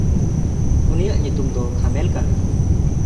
ᱩᱱᱤᱭᱟᱜ ᱧᱩᱛᱩᱢ ᱫᱚ ᱠᱷᱟᱞᱮᱢ ᱠᱟᱱᱟ᱾